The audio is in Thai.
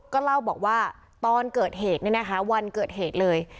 ก็เล่าบอกว่าตอนเกิดเหตุเนี่ยนะคะวันเกิดเหตุเลย